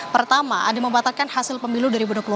pertama ada yang membatalkan hasil pemilu dua ribu dua puluh empat